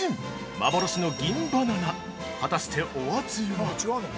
幻の「銀バナナ」果たしてお味は？